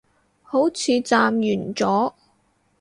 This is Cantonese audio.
好似暫完咗